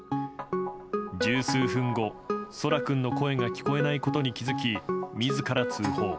十数分後奏良君の声が聞こえないことに気づき自ら通報。